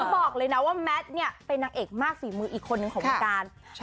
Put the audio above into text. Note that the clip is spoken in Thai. บอกเลยนะว่าแมทเนี่ยเป็นนางเอกมากฝีมืออีกคนนึงของวงการ